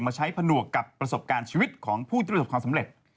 ใช้ผนวกกับประสบการณ์ชีวิตของผู้ที่ประสบความสำเร็จ